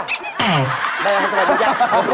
สวัสดี